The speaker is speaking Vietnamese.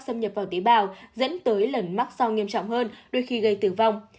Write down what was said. xâm nhập vào tế bào dẫn tới lần mắc sau nghiêm trọng hơn đôi khi gây tử vong